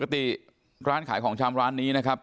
ปกติร้านขายของชำร้านนี้นะครับ